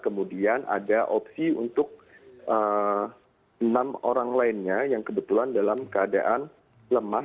kemudian ada opsi untuk enam orang lainnya yang kebetulan dalam keadaan lemah